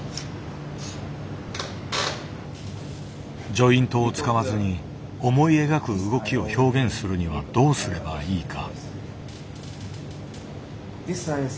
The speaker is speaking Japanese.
ジョイントを使わずに思い描く動きを表現するにはどうすればいいか。